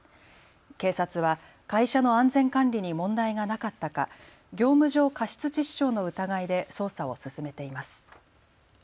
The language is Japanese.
警察は会社の安全管理に問題がなかったか業務上過失致死傷の疑いで捜査を進めています。